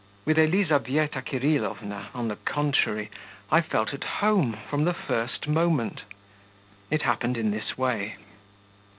With Elizaveta Kirillovna, on the contrary, I felt at home from the first moment. It happened in this way.